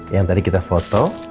yang tadi kita foto